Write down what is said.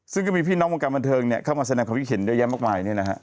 ซึ่งก็มีพี่น้องวงการบันเทิงเข้ามาแสดงความคิดเห็นเยอะแยะมากมาย